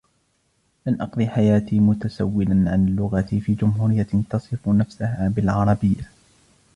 لن أقضي حياتي متسولا عن لغتي في جمهورية تصف نفسها بالعربية.